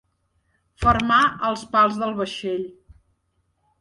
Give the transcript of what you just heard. Fermar els pals del vaixell.